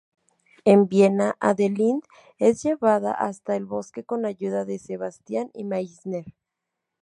En viena, Adalind es llevada hasta el bosque con ayuda de Sebastien y Meisner.